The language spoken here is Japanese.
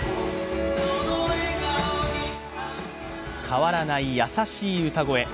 変わらない優しい歌声。